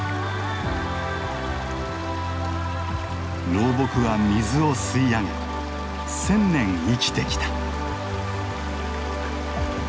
老木は水を吸い上げ１，０００年生きてきた。